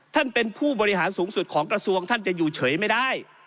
ท่านเป็นผู้บริหารสูงสุดของกระทรวงท่านจะอยู่เฉยไม่ได้